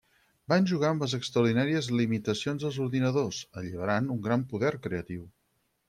Van jugar amb les extraordinàries limitacions dels ordinadors, alliberant un gran poder creatiu.